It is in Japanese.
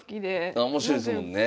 あ面白いですもんね。